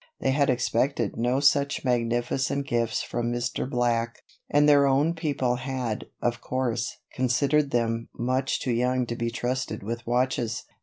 They had expected no such magnificent gifts from Mr. Black, and their own people had, of course, considered them much too young to be trusted with watches.